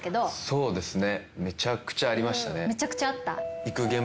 そうですね。